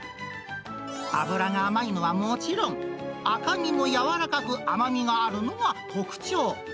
脂が甘いのはもちろん、赤身も柔らかく甘みがあるのが特徴。